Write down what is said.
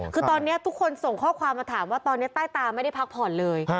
คือตอนนี้ทุกคนส่งข้อความมาถามว่าตอนนี้ใต้ตาไม่ได้พักผ่อนเลย